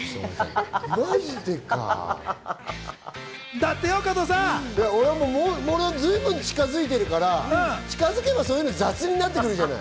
だってよ加藤さん。俺は随分近づいてるから、近づけばそういうのを雑になってくるじゃない？